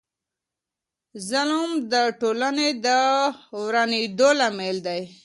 ظلم د ټولني د ورانیدو لامل دی.